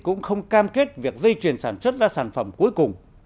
cũng không cam kết việc dây chuyền sản xuất ra sản phẩm cuối cùng